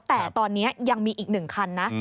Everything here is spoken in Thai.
แต่ตอนนี้ยังมีอีก๑คันนะ